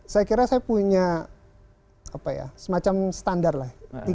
saya kira saya punya semacam standar lah